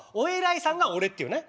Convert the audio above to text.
いさんが俺っていうね